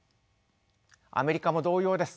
アメリカも同様です。